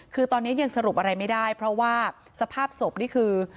คือตอนนี้ยังสรุปอะไรไม่ได้เพราะว่าสภาพศพนี่คือ